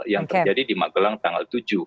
yang terjadi di magelang tanggal tujuh